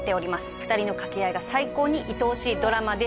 ２人の掛け合いが最高に愛おしいドラマです